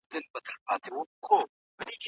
رشوت ورکوونکی او اخیستونکی دواړه دوزخي دي.